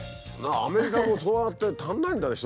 アメリカもそうやって足んないんだね